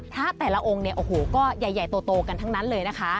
พระแต่ละองค์ก็ใหญ่โตกันทั้งนั้นเลยนะคะ